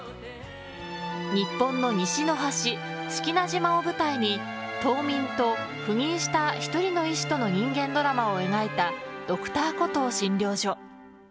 日本の西の端志木那島を舞台に島民と赴任した１人の医師との人間ドラマを描いた「Ｄｒ．コトー診療所」。